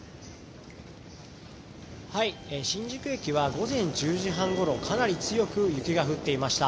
新宿駅は午前１０時半ごろかなり強く雪が降っていました。